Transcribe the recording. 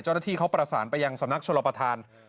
เจ้าหน้าที่เขาประสานไปยังสำนักชลประธาน